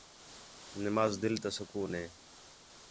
نماز دِِل تا سکون ہِے